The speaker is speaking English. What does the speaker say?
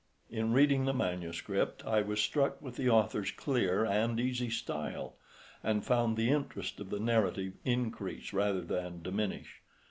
In reading the manuscript I was struck with the author's clear and easy style, and found the interest of the narrative increase rather than diminish.